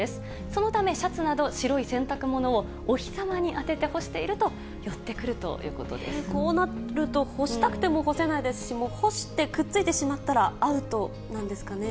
そのため、シャツなど白い洗濯物をお日様に当てて干していると寄ってくるとこうなると、干したくても干せないですし、干してくっついてしまったら、アウトなんですかね。